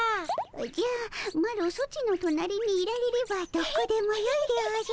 おじゃマロソチの隣にいられればどこでもよいでおじゃる。